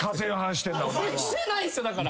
してないっすよだから。